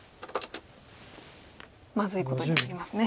まずいことになりますね。